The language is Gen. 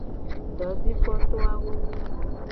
Dojikpoto awo.